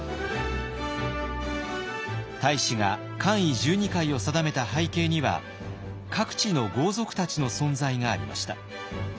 太子が冠位十二階を定めた背景には各地の豪族たちの存在がありました。